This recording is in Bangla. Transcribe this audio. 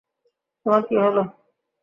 তোমার কী হল?